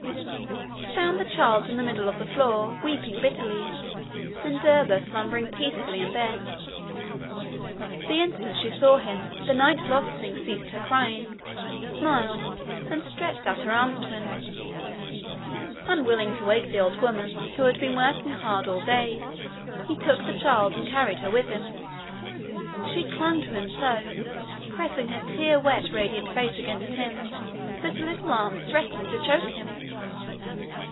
He found the child in the middle of the floor, weeping bitterly, and Derba slumbering peacefully in bed. The instant she saw him the night lost thing ceased her crying, smiled, and stretched out her arms to him. Unwilling to wake the old woman, who had been working hard all day, he took the child, and carried her with him. She clung to him so, pressing her tear wet radiant face against his, that her little arms threatened to choke him.